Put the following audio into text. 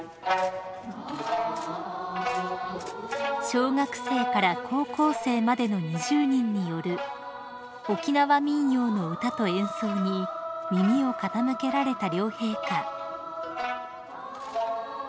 ［小学生から高校生までの２０人による沖縄民謡の歌と演奏に耳を傾けられた両陛下］